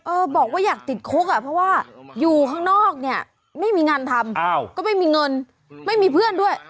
บอกว่าอยากติดคุกอ่ะเพราะว่าอยู่ข้างนอกเนี่ยไม่มีงานทำก็ไม่มีเงินไม่มีเพื่อนด้วย